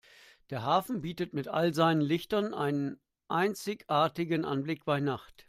Der Hafen bietet mit all seinen Lichtern einen einzigartigen Anblick bei Nacht.